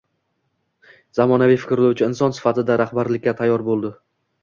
zamonaviy fikrlovchi inson sifatida rahbarlikka tayyor bo‘ldi.